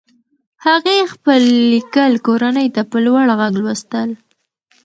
هغې خپل لیکل کورنۍ ته په لوړ غږ لوستل.